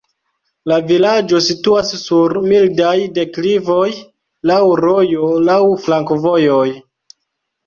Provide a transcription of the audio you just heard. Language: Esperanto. La vilaĝo situas sur mildaj deklivoj, laŭ rojo, laŭ flankovojoj.